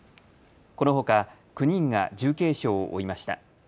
このほか９人が重軽傷を負いました。